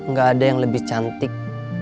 nggak ada yang lebih cantik